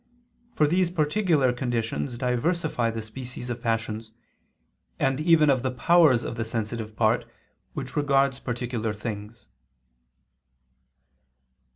For these particular conditions diversify the species of passions, and even of the powers of the sensitive part, which regards particular things.